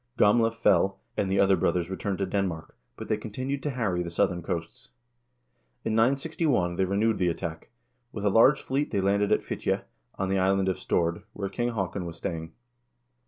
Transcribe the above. Gamle fell, and the other brothers returned to Denmark, but they continued to harry the southern coasts. In 961 they re newed the attack. With a large fleet they landed at Fitje, on the island of Stord, where King Haakon was staying.